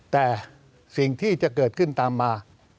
แต่สิ่งที่จะเกิดขึ้นตามมา